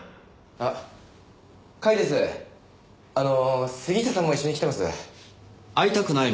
あの杉下さんも一緒に来てます。